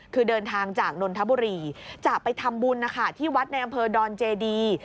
คือเดินทางจากนนทบุรีจะไปทำบุญนะคะที่วัดในอำเภอดอนเจดี